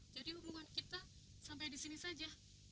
jadi hubungan kita sampai disini saja